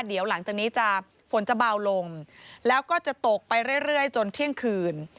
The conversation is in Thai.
เดี๋ยวหลังจากนี้จะฝนจะเบาลงแล้วก็จะตกไปเรื่อยจนเที่ยงคืน